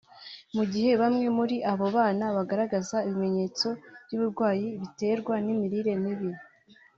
Mu gihe bamwe muri abo bana bagaragaza ibimenyetso by’uburwayi buterwa n’imirire mibi